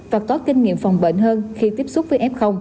và có kinh nghiệm phòng bệnh hơn khi tiếp xúc với f